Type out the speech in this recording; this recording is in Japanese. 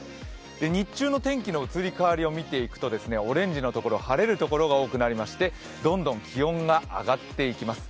日中の天気の移り変わりを見ていくと、オレンジのところ、晴れるところが多くなりましてどんどん気温が上がっていきます。